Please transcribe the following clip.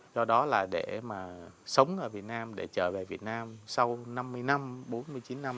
do đó là để mà sống ở việt nam để trở về việt nam sau năm mươi năm bốn mươi chín năm